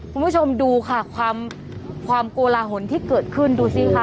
คุณผู้ชมดูค่ะความความโกลาหลที่เกิดขึ้นดูสิคะ